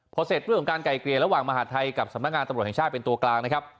พอเสร็จเรื่องของการไกลเกลี่ยระหว่างมหาดไทยกับสำนักงานตำรวจแห่งชาติเป็นตัวกลางนะครับ